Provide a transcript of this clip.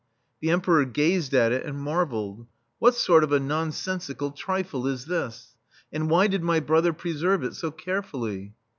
The Emperor gazed at it and mar velled. "What sort of a nonsensical [^3] THE STEEL FLEA trifle is this ? and why did my brother preserve it so carefully